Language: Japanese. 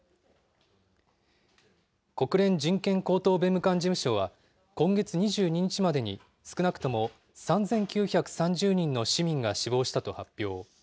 国連人権高等弁務官事務所は、今月２２日までに少なくとも３９３０人の市民が死亡したと発表。